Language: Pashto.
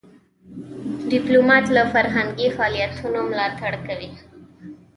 ډيپلومات له فرهنګي فعالیتونو ملاتړ کوي.